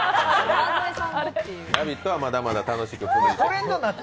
「ラヴィット！」はまだまだ楽しく。